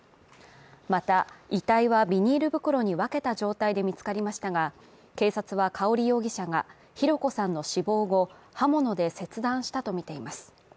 また、遺体はビニール袋に分けた状態で見つかりましたが、警察はかほり容疑者が博子さんの死亡後、刃物で切断したとみています。